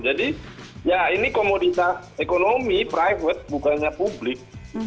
ya ini komoditas ekonomi private bukannya publik